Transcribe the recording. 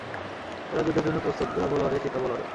ওরা যুদ্ধের জন্য প্রস্তুত, গুলাবো লড়ে, সিতাবো লড়ে।